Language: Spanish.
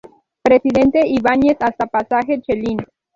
Presidente Ibáñez hasta Pasaje Chelín.